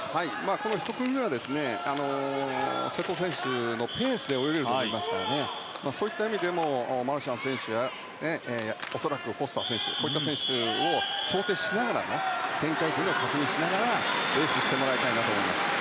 この１組目は、瀬戸選手のペースで泳げると思いますからそういった意味でもマルシャン選手や恐らく、フォスター選手などを想定しながら展開を確認しながらレースをしてもらいたいです。